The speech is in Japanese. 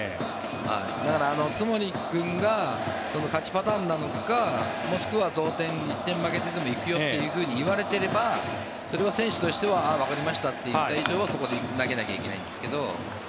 だから津森君が勝ちパターンなのかもしくは同点、１点負けていても行くよというふうに言われてればそれは選手としてはわかりましたと言った以上はそこで投げなきゃいけないんですけど。